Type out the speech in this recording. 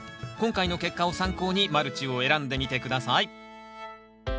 今回の結果を参考にマルチを選んでみて下さい。